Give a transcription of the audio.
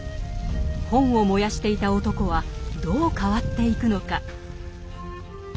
本を燃やしていた男はどう変わっていくのか。